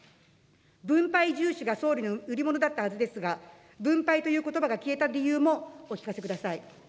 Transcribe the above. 分配重視が総理の売り物だったはずですが、分配ということばが消えた理由もお聞かせください。